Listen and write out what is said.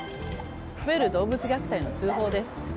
増える動物虐待の通報です。